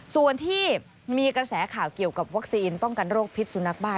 ส่วนที่มีกระแสข่าวเกี่ยวกับวัคซีนป้องกันโรคพิษสุนัขบ้า